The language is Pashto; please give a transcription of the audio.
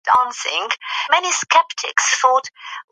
پلار د خپل عمر په بدل کي زموږ لپاره یو هوسا ژوند اخلي.